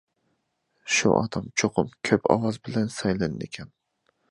شۇ ئادەم چوقۇم كۆپ ئاۋاز بىلەن سايلىنىدىكەن.